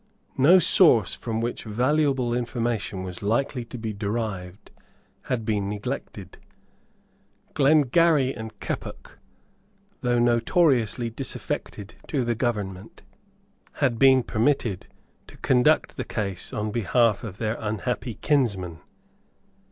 No source from which valuable information was likely to be derived had been neglected. Glengarry and Keppoch, though notoriously disaffected to the government, had been permitted to conduct the case on behalf of their unhappy kinsmen.